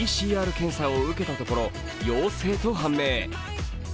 ＰＣＲ検査を受けたところ、陽性と判明。